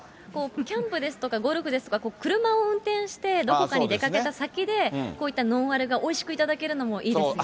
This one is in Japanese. キャンプですとか、ゴルフですとか、車を運転して、どこかに出かけた先で、こういったノンアルがおいしく頂けるのもいいですよね。